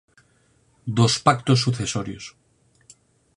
Dos pactos sucesorios